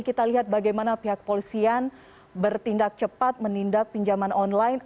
kita lihat bagaimana pihak polisian bertindak cepat menindak pinjaman online